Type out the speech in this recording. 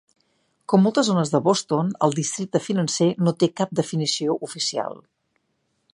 Com moltes zones de Boston, el districte financer no té cap definició oficial.